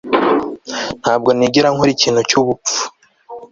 ntabwo nigera nkora ikintu cyubupfu